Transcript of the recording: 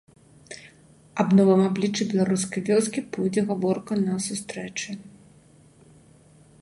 Аб новым абліччы беларускай вёскі пойдзе гаворка на сустрэчы.